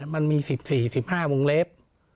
มันมี๑๔๑๕วงเล็บ